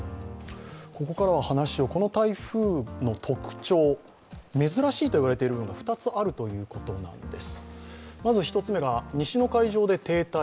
ここからは話をこの台風の特徴、珍しいと言われているのが２つあるということなんです。